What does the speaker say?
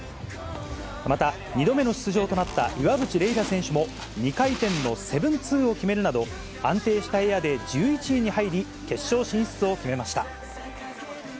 また２度目の出場となった岩渕麗楽選手も、２回転の７２０を決めるなど、安定したエアで１１位に入り、決勝進出を決めました。